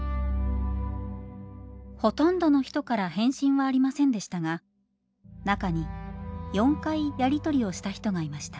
ほとんどの人から返信はありませんでしたが中に４回やりとりをした人がいました。